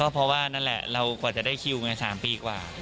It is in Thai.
เพราะว่านั่นแหละเรากว่าจะได้คิวไง๓ปีกว่า